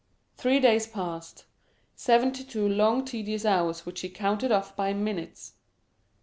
Three days passed—seventy two long tedious hours which he counted off by minutes!